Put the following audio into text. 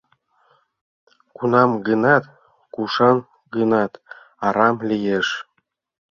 Кунам-гынат кушан-гынат арам лиеш.